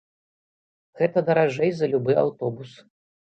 Гэта даражэй за любы аўтобус.